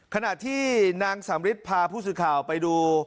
ขณะที่นางสำริทพาผู้สื่อข่าวไปดู